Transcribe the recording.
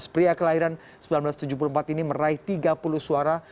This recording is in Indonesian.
pria kelahiran seribu sembilan ratus tujuh puluh empat ini meraih tiga puluh suara